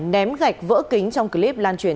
ném gạch vỡ kính trong clip lan truyền